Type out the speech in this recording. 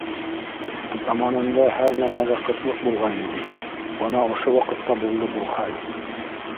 Заманында һәр нәмәгә ҡытлыҡ булғайны бит, бына ошо ваҡытта булды был хәл.